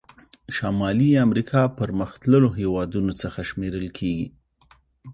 شمالي امریکا پرمختللو هېوادونو څخه شمیرل کیږي.